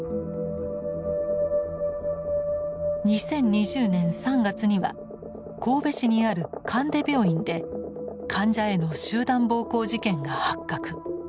２０２０年３月には神戸市にある神出病院で患者への集団暴行事件が発覚。